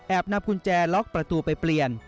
แอบนับกุญแจล็อคประตูไปเปลี่ยน